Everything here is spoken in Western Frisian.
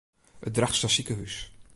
It Drachtster sikehús.